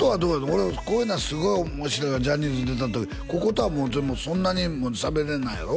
俺こういうのはすごい面白いよジャニーズで出た時こことはそんなにしゃべれないやろ？